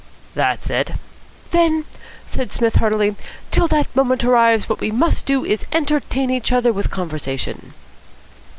"That's it." "Then," said Psmith heartily, "till that moment arrives what we must do is to entertain each other with conversation.